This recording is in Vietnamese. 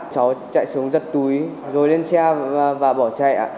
cháu chạy xuống giật túi rồi lên xe và bỏ chạy